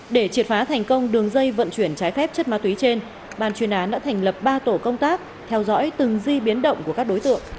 để triệt phá thành công đường dây vận chuyển trái phép chất ma túy trên bàn chuyên án đã thành lập ba tổ công tác theo dõi từng di biến động của các đối tượng